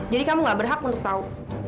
jadi kamu gak berhak untuk tau